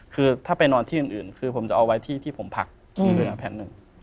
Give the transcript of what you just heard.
คือถ้าไปนอนที่อื่นคือผมจะเอาไว้ที่ผมพักที่เรือแผ่นหนึ่ง